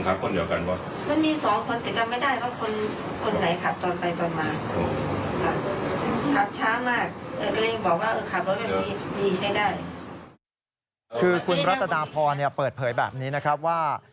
ใช้ได้คือคุณรัฐนาพอร์เนี่ยเปิดเผยแบบนี้นะครับว่า